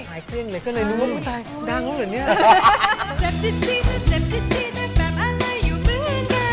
หายเครื่องเลยก็ในรูปอุ๊ยตายดังแล้วเหรอเนี่ย